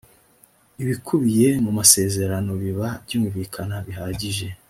ibikubiye mu masezerano biba byumvikana bihagije